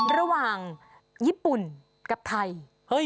ระหว่างญี่ปุ่นกับไทย